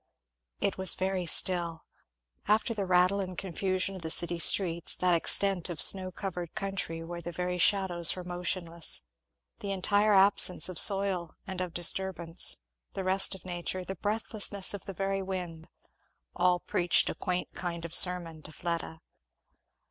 It was very still; after the rattle and confusion of the city streets, that extent of snow covered country where the very shadows were motionless the entire absence of soil and of disturbance the rest of nature the breathlessness of the very wind all preached a quaint kind of sermon to Fleda.